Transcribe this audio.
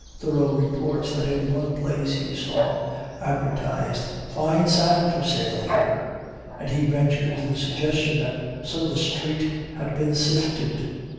Thoreau reports that in one place he saw advertised, "Fine sand for sale here," and he ventures the suggestion that "some of the street" had been sifted.